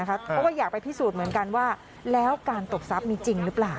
เพราะว่าอยากไปพิสูจน์เหมือนกันว่าแล้วการตบทรัพย์มีจริงหรือเปล่า